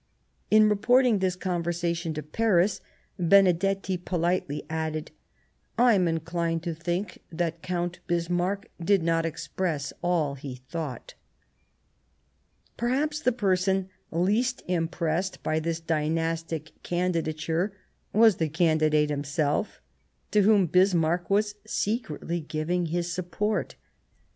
In reporting this conversation to Paris, Benedetti politely added :" I am inclined to think that Count Bismarck did not express all he thought." Perhaps the person least impressed by this dynastic candidature was the candidate himself, to whom Bismarck was secretly giving his support.